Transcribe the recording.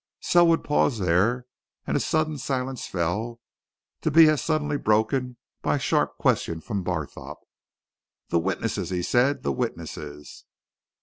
'" Selwood paused there, and a sudden silence fell to be as suddenly broken by a sharp question from Barthorpe. "The Witnesses?" he said. "The witnesses!"